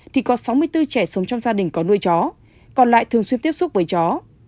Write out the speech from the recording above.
thì có sáu mươi bốn trẻ sống trong gia đình có nuôi chó còn lại thường xuyên tiếp xúc với chó